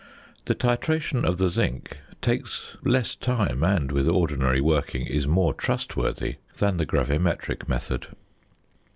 The titration of the zinc takes less time, and, with ordinary working, is more trustworthy than the gravimetric method.